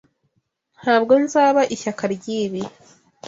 Ntabwo nzaba ishyaka ryibi.